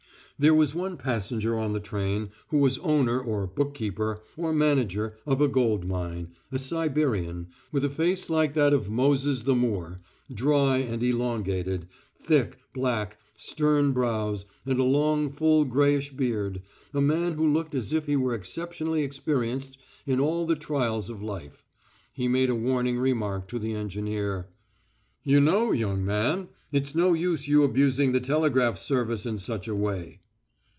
There was one passenger on the train who was owner or bookkeeper, or manager of a gold mine, a Siberian, with a face like that of Moses the Moor, dry and elongated, thick, black, stern brows, and a long, full, greyish beard a man who looked as if he were exceptionally experienced in all the trials of life. He made a warning remark to the engineer: One of the hermits of the Egyptian Desert, a saint in the Russian Calendar. "You know, young man, it's no use you abusing the telegraph service in such a way."